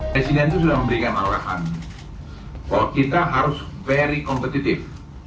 presiden itu sudah memberikan arahan bahwa kita harus very competitive